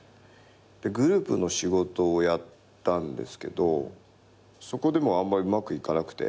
グループの仕事をやったんですけどそこでもあんまりうまくいかなくて。